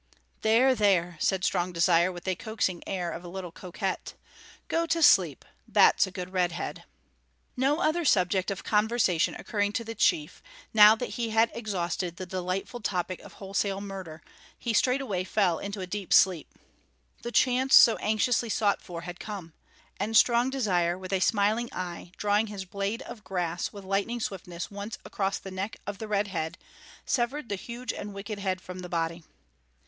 "There, there," said Strong Desire, with the coaxing air of a little coquette, "go to sleep; that's a good Red Head." No other subject of conversation occurring to the chief, now that he had exhausted the delightful topic of wholesale murder, he straightway fell into a deep sleep. The chance so anxiously sought for had come; and Strong Desire, with a smiling eye, drawing his blade of grass with lightning swiftness once across the neck of the Red Head, severed the huge and wicked head from the body.